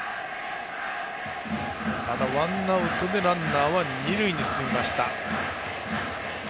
ただ、ワンアウトでランナーは二塁に進みました。